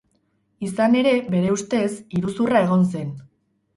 Izan ere, bere ustez, iruzurra egon zen.